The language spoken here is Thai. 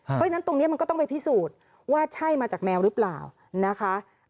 เพราะฉะนั้นตรงนี้มันก็ต้องไปพิสูจน์ว่าใช่มาจากแมวหรือเปล่านะคะ